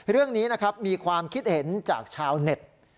เรื่องนี้นะครับมีความคิดเห็นจากชาวเน็ต